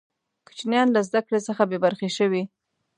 کوچنیان له زده کړي څخه بې برخې شوې.